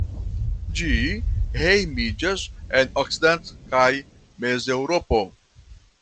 Ĝi hejmiĝas en okcident- kaj Mezeŭropo.